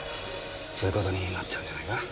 そういう事になっちゃうんじゃないかな。